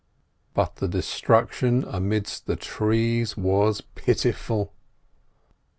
But the destruction amidst the trees was pitiful.